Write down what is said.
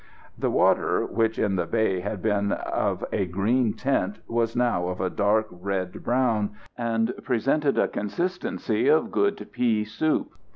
The water, which in the bay had been of a green tint, was now of a dark red brown, and presented a consistency of good pea soup.